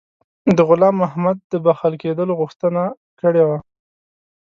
د غلام محمد د بخښل کېدلو غوښتنه کړې وه.